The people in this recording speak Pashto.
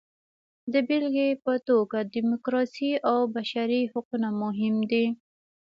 د بېلګې په توګه ډیموکراسي او بشري حقونه مهم دي.